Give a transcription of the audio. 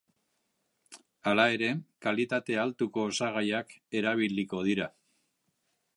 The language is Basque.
Hala ere, kalitate altuko osagaiak erabiliko dira.